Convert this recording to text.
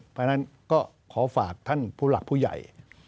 เพราะฉะนั้นก็ขอฝากท่านผู้หลักผู้ใหญ่